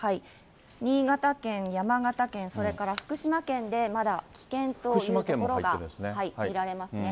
新潟県、山形県、それから福島県で、まだ危険という所が見られますね。